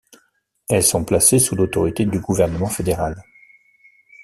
Elles sont placées sous l’autorité du Gouvernement fédéral.